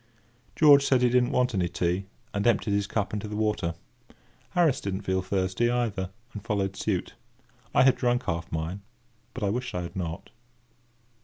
George said he didn't want any tea, and emptied his cup into the water. Harris did not feel thirsty, either, and followed suit. I had drunk half mine, but I wished I had not.